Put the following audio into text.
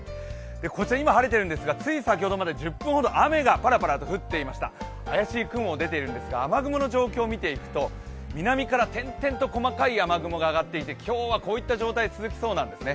こちら、今晴れてるんですが、つい先ほどまで１０分ほど雨がパラパラと降っていました怪しい雲が出ているんですが、雨雲の状況を見ていくと、南から点々と細かい雨雲が上がっていて今日はこういった状態続きそうなんですね。